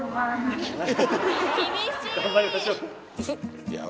・頑張りましょう。